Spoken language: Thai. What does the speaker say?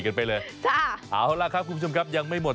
กันไปเลยจ้ะเอาล่ะครับคุณผู้ชมครับยังไม่หมด